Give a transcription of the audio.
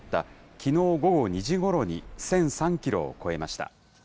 きのう午後２時ごろに、１００３キロを超えました。